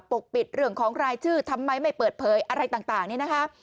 ปกปิดเรื่องของรายชื่อทำไมไม่เปิดเผยอะไรต่างนี่นะคะ